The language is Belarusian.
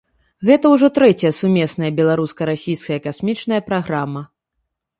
Гэта ўжо трэцяя сумесная беларуска-расійская касмічная праграма.